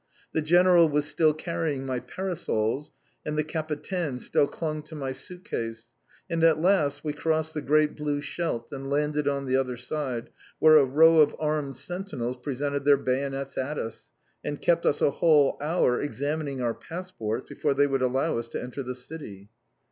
The General was still carrying my parasols, and the Capitaine still clung to my suit case, and at last we crossed the great blue Scheldt, and landed on the other side, where a row of armed sentinels presented their bayonets at us, and kept us a whole hour examining our passports before they would allow us to enter the city.